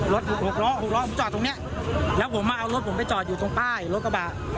รถ๖ล้อ๖ล้อผมจอดตรงเนี้ยแล้วผมมาเอารถผมไปจอดอยู่ตรงใต้รถกระบะ